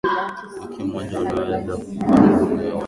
wiki moja unaweza kubakwa hata na wanaume wanne wamebeba silaha